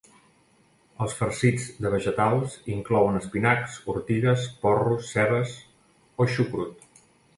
Els farcits de vegetals inclouen espinacs, ortigues, porros, cebes, o xucrut.